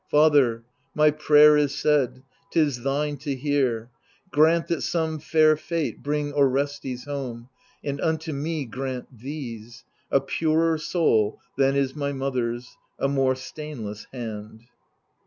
Father^ my prayer is said; His thine to hear — Grant that some fair fate bring Orestes home^ And unto me grant these — a purer soul Than is my mother'Sy a more stainless hand.